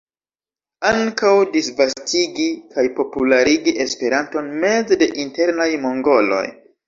Ankaŭ disvastigi kaj popularigi Esperanton meze de internaj mongoloj.